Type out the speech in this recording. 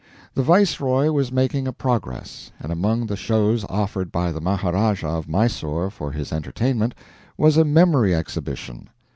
The Viceroy was making a progress, and among the shows offered by the Maharajah of Mysore for his entertainment was a memory exhibition.